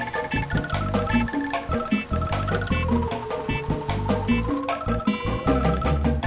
nanti tutup pintu pangkernya ya